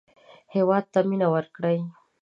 هېواد ته مېنه وکړئ